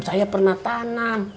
saya pernah tanam